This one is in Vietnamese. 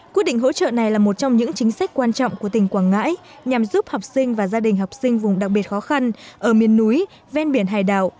quyết định hỗ trợ này là một trong những chính sách quan trọng của tỉnh quảng ngãi nhằm giúp học sinh và gia đình học sinh vùng đặc biệt khó khăn ở miền núi ven biển hải đảo